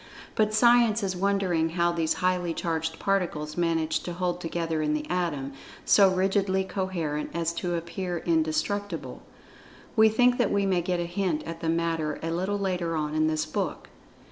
But Science is wondering how these highly charged particles manage to hold together in the Atom, so rigidly coherent as to appear indestructible. We think that we may get a hint at the matter a little later on in this book.